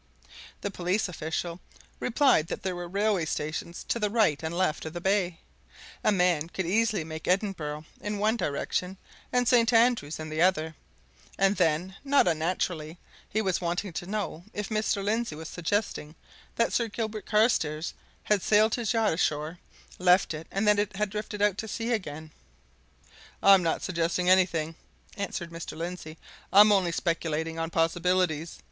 The police official replied that there were railway stations to the right and left of the bay a man could easily make Edinburgh in one direction, and St. Andrews in the other; and then, not unnaturally, he was wanting to know if Mr. Lindsey was suggesting that Sir Gilbert Carstairs had sailed his yacht ashore, left it, and that it had drifted out to sea again? "I'm not suggesting anything," answered Mr. Lindsey. "I'm only speculating on possibilities.